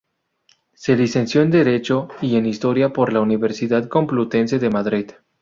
Se licenció en Derecho y en Historia por la Universidad Complutense de Madrid.